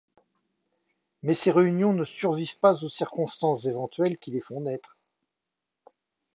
Mais ces réunions ne survivent pas aux circonstances éventuelles qui les font naître.